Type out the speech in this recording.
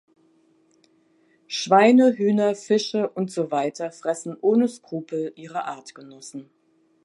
Schweine, Hühner, Fische und so weiter fressen ohne Skrupel ihre Artgenossen.